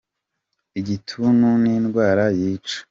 Igituntu n'indwara yica.